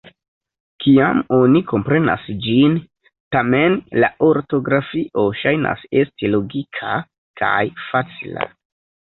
Kiam oni komprenas ĝin, tamen, la ortografio ŝajnas esti logika kaj facila.